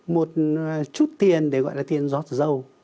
một chút tiền để gọi là tiền giọt dầu